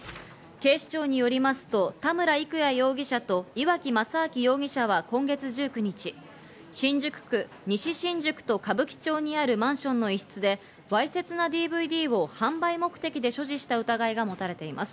警視庁によりますと、田村郁哉容疑者と岩城正明容疑者は今月１９日、新宿区西新宿と歌舞伎町にあるマンションの一室で、わいせつなＤＶＤを販売目的で所持した疑いが持たれています。